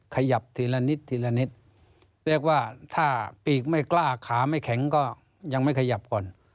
ขยับทีละนิดทีละนิดเรียกว่าถ้าปีกไม่กล้าขาไม่แข็งก็ยังไม่ขยับก่อน